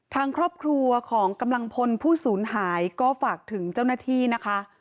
ทางครอบครัวของกำลังพลผู้สูญหายก็ฝากถึงเจ้าหน้าที่นะคะ